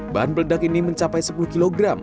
bahan peledak ini mencapai sepuluh kg